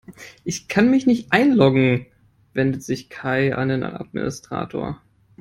Ich kann mich nicht einloggen, wendet sich Kai an den Administrator.